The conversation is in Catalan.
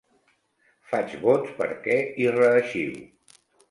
Faig vots perquè hi reeixiu.